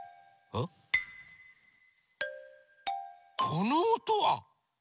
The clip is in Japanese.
このおとは？